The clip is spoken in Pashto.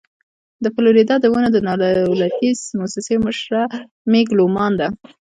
د فلوريډا د ونو د نادولتي مؤسسې مشره مېګ لومان ده.